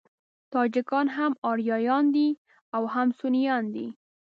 تاجکان هم آریایان دي او هم سنيان دي.